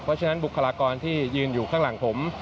เพราะฉะนั้นบุคลากรที่ยืนอยู่ข้างหลังผม